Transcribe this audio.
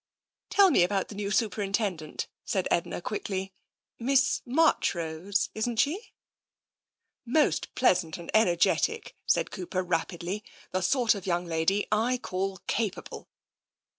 '' "Tell me about the new Superintendent," said Edna quickly. " Miss Marchrose, isn't she ?"" Most pleasant and energetic," said Cooper rapidly. " The sort of young lady / call capable."